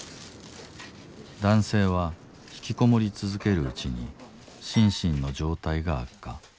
男性はひきこもり続けるうちに心身の状態が悪化。